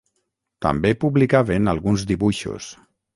També publicaven alguns dibuixos.